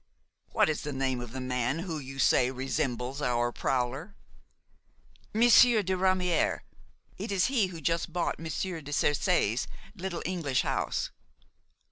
"What is the name of the man who, you say, resembles our prowler?" "Monsieur de Ramière. It is he who has just bought Monsieur de Cercy's little English house."